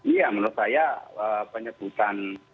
iya menurut saya penyebutan